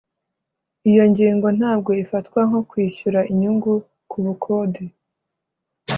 Iyo ngingo ntabwo ifatwa nko kwishyura inyungu ku bukode